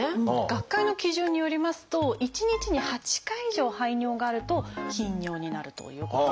学会の基準によりますと１日に８回以上排尿があると「頻尿」になるということなんです。